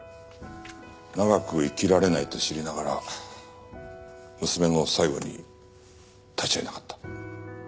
長く生きられないと知りながら娘の最期に立ち会えなかった。